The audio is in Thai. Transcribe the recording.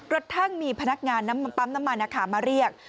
กระทั่งมีพนักงานปั๊มน้ำมันมาเรียก